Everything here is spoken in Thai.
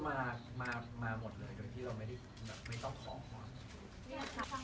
ทุกอย่างนึกจากเลยว่าผมค่อยต้องขอแต่งหน้า